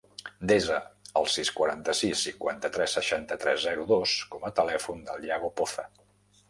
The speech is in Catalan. Desa el sis, quaranta-sis, cinquanta-tres, seixanta-tres, zero, dos com a telèfon del Yago Poza.